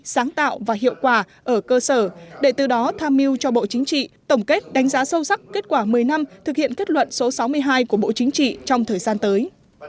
sáng tạo và hiệu quả ở cơ sở để từ đó tham mưu cho bộ chính trị tổng kết đánh giá sâu sắc kết quả một mươi năm thực hiện kết luận số sáu mươi hai của bộ chính trị trong thời gian tới